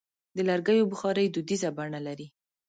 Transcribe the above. د لرګیو بخاري دودیزه بڼه لري.